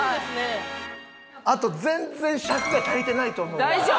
あと全然尺が足りてないと思うわ。